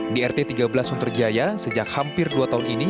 di rt tiga belas sunterjaya sejak hampir dua tahun ini